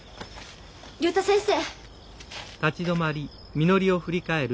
竜太先生。